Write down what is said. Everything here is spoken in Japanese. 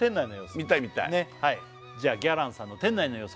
見たいねっはいじゃあギャランさんの店内の様子